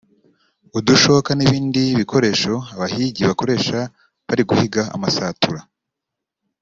udushoka n’ibindi bikoresho abahigi bakoresha bari guhiga amasatura